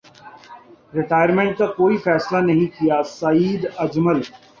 retire minute کا کوئی فیصلہ نہیں کیاسعید اجمل